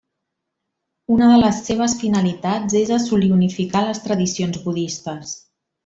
Una de les seves finalitats és assolir unificar les tradicions budistes.